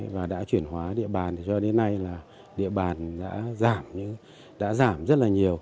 và đã chuyển hóa địa bàn cho đến nay là địa bàn đã giảm rất là nhiều